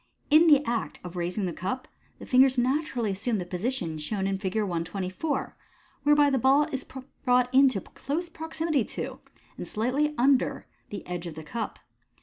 In the act of raising the cup, the fingers naturally assume the position shown in Fig. 124 whertby the ball is brought in close proximity to, and slightly under, the edge of the cup.